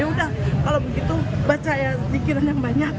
ya udah kalau begitu baca ya pikiran yang banyak